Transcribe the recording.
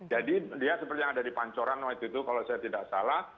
jadi dia seperti yang ada di pancoran waktu itu kalau saya tidak salah